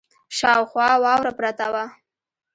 شاوخوا واوره پرته وه.